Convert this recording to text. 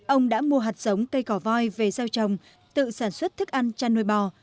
ông đã mua hạt giống cây cỏ voi về gieo trồng tự sản xuất thức ăn chăn nuôi bò